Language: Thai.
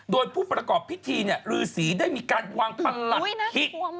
โดยผู้ประกอบพิธีนี่รริสิได้มีการวางประหลักฮิต